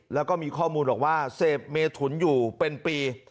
แล้วก็มีข้อมูลบอกว่าเสพเมถุนอยู่เป็นปี